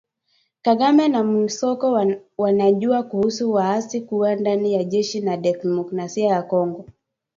Kagame na Monusco wanajua kuhusu waasi kuwa ndani ya jeshi la Demokrasia ya Kongo